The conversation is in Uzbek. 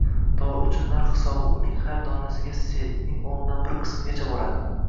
tovar uchun narx hisobi uning har donasiga sentning o‘ndan bir qismigacha boradi.